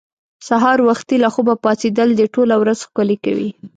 سهار وختي له خوبه پاڅېدل دې ټوله ورځ ښکلې کوي.